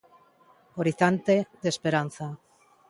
Horizonte de esperanza.